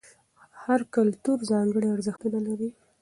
هر کلتور ځانګړي ارزښتونه لري.